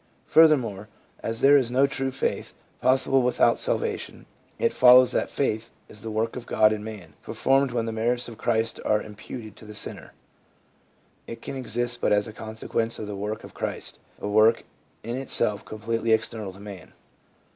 Furthermore, as there is no true faith possible without salvation, it follows that "faith" is the work of God in man, performed when the merits of Christ are imputed to the sinner. It can exist but as a consequence of the work of Christ, a work in itself com pletely external to man.